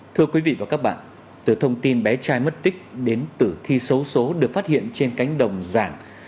thưa quý vị và các bạn từ thông tin bé trai mất tích đến tử thi xấu số được phát hiện trên cánh đồng giảng